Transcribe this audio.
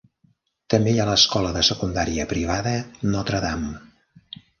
També hi ha l'escola de secundària privada Notre-Dame.